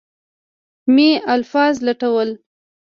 مې الفاظ لټول.